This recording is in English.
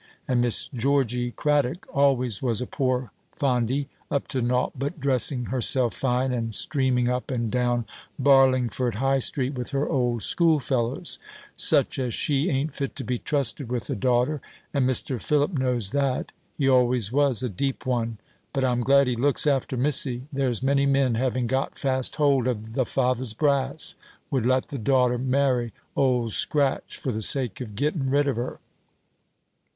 And Miss Georgy Craddock always was a poor fondy, up to naught but dressing herself fine, and streaming up and down Barlingford High Street with her old schoolfellows. Such as she ain't fit to be trusted with a daughter; and Mr. Philip knows that. He always was a deep one. But I'm glad he looks after Missy: there's many men, having got fast hold of th' father's brass, would let th' daughter marry Old Scratch, for the sake of gettin' rid of her."